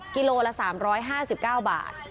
กิโลละ๓๕๙บาท